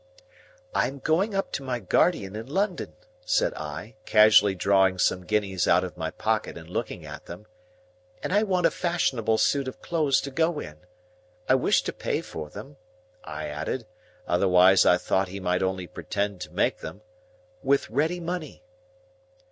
"I am going up to my guardian in London," said I, casually drawing some guineas out of my pocket and looking at them; "and I want a fashionable suit of clothes to go in. I wish to pay for them," I added—otherwise I thought he might only pretend to make them, "with ready money."